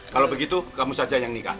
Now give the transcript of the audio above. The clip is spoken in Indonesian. kalau begitu kamu saja yang nikah